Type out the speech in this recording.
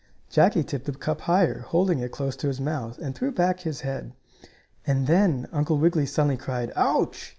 Jackie tipped the cup higher, holding it close to his mouth, and threw back his head, and then Uncle Wiggily suddenly cried: "Ouch!"